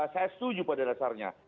saya setuju pada dasarnya